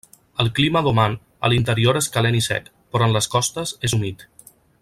El clima d'Oman a l'interior és calent i sec, però en les costes és humit.